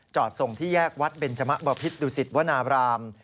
จอดส่งที่แยกวัดเบนจำะบพิษดุศิฤทธิ์วณาบราม